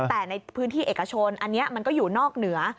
แต่ในพื้นที่เอกชนอันนี้มันก็อยู่นอกเหนือ